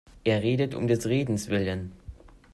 Er redet um des Redens Willen.